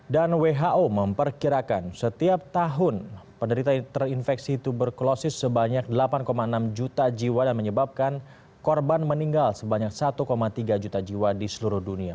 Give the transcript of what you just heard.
who memperkirakan setiap tahun penderita terinfeksi tuberkulosis sebanyak delapan enam juta jiwa dan menyebabkan korban meninggal sebanyak satu tiga juta jiwa di seluruh dunia